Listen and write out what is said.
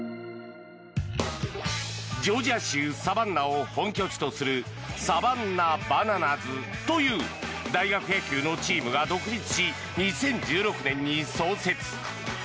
ジョージア州サバンナを本拠地とするサバンナ・バナナズという大学野球のチームが独立し２０１６年に創設。